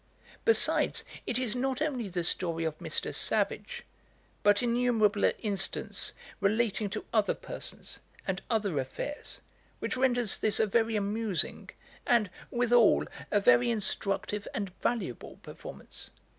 Besides, it is not only the story of Mr. Savage, but innumerable incidents relating to other persons, and other affairs, which renders this a very amusing, and, withal, a very instructive and valuable performance.